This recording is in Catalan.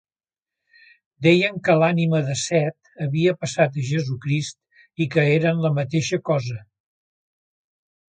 Deien que l'ànima de Set havia passat a Jesucrist i que eren la mateixa cosa.